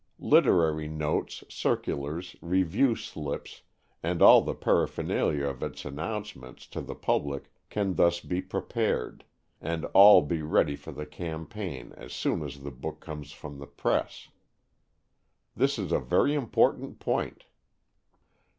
Literary notes, circulars, review slips, and all the paraphernalia of its announcement to the public can thus be prepared, and all be ready for the campaign as soon as the book comes from the press. This is a very important point.